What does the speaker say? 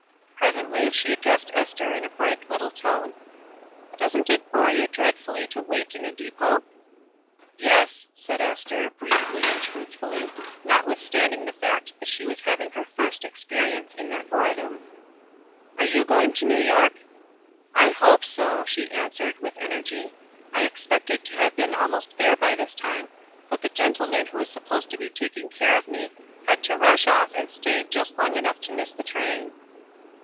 Presently she addressed Ester in a bright little tone: "Doesn't it bore you dreadfully to wait in a depot?" "Yes," said Ester, briefly and truthfully, notwithstanding the fact that she was having her first experience in that boredom. "Are you going to New York?" "I hope so," she answered, with energy. "I expected to have been almost there by this time; but the gentleman who is supposed to be taking care of me, had to rush off and stay just long enough to miss the train."